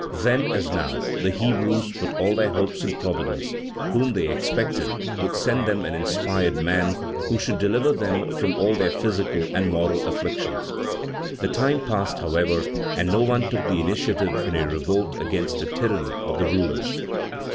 Then, as now, the Hebrews put all their hopes in Providence, whom they expected, would send them an inspired man, who should deliver them from all their physical and moral afflictions. The time passed, however, and no one took the initiative in a revolt against the tyranny of the rulers.